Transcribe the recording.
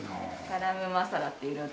ガラムマサラっていう色で。